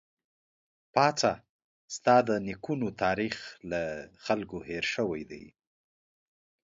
پاڅه ! ستا د نيکونو تاريخ له خلکو هېر شوی دی